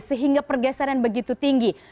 sehingga pergeseran begitu tinggi